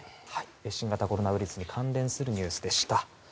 新型コロナウイルスに関連するニュースでした。